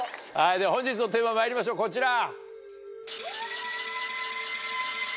では本日のテーマまいりましょうこちら。